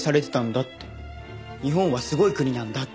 日本はすごい国なんだって。